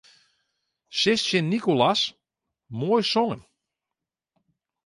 Sis tsjin Nicolas: Moai songen.